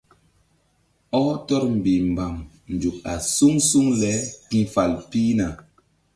Ɔh tɔr mbihmbam nzuk a suŋ suŋ le ki̧fal pihna.